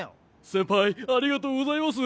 先輩ありがとうございます。